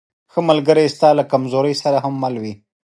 ښه ملګری ستا له کمزورۍ سره هم مل وي.